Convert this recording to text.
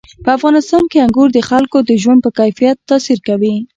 په افغانستان کې انګور د خلکو د ژوند په کیفیت تاثیر کوي.